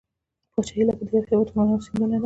پاچهي لکه د یوه هیواد غرونه او سیندونه ده.